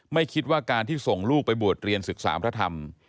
ไม่คิดว่าการที่ส่งลูกไปบวชเรียนศึกษาพระธรรม